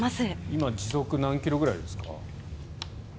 今時速何キロくらいですか？